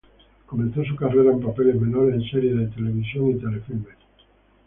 Comenzó su carrera en papeles menores en series de televisión y telefilmes.